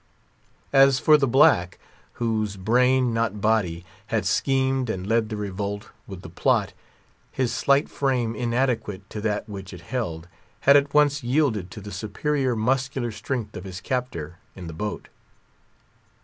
As for the black—whose brain, not body, had schemed and led the revolt, with the plot—his slight frame, inadequate to that which it held, had at once yielded to the superior muscular strength of his captor, in the boat.